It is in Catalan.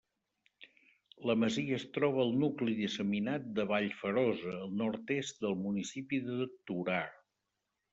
La masia es troba al nucli disseminat de Vallferosa, al nord-oest del municipi de Torà.